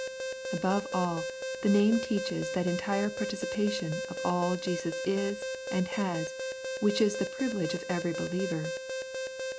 — ^Above all, the name teaches that entire participation of all that Jesus is and has, which is the privilege of every believer.